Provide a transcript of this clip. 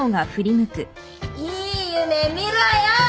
いい夢見ろよ！